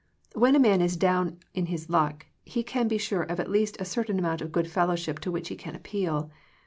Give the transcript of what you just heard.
When a man is down in his luck, he can be sure of at least a certain amount of good fellowship to which he can appeal.